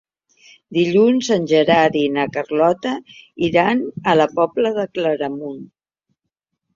Dilluns en Gerard i na Carlota iran a la Pobla de Claramunt.